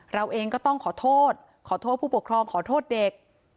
เราเองก็ต้องขอโทษขอโทษผู้ปกครองขอโทษเด็ก